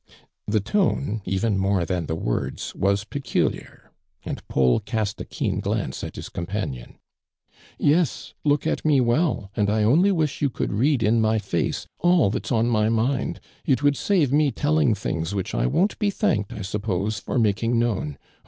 The tone, ?ven more than the words, was peculiar, and Paul cast a keen glance at his companion. " Yes, look at me well, and I only wish you could lead in my face, all that's on my mind. It would save me telling things which 1 won't be thanked, I suppose, for making known.